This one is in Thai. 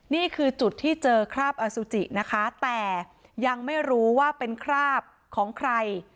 นี่คือจุดที่เจอคราบอสุจินะคะแต่ยังไม่รู้ว่าเป็นคราบของใคร